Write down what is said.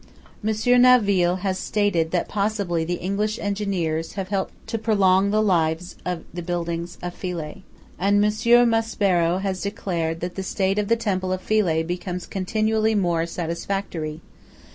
Monsieur Naville has stated that possibly the English engineers have helped to prolong the lives of the buildings of Philae, and Monsieur Maspero has declared that "the state of the temple of Philae becomes continually more satisfactory."